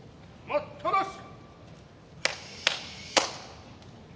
待ったなし。